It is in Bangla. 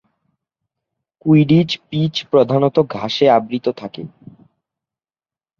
কুইডিচ পিচ প্রধানত ঘাসে আবৃত থাকে।